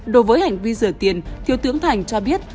đối với hành vi rửa tiền thiếu tướng thành cho biết